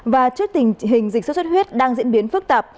và trước tình hình dịch sốt xuất huyết đang diễn biến phức tạp